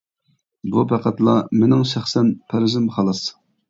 بۇ پەقەتلا مىنىڭ شەخسەن پەرىزىم خالاس.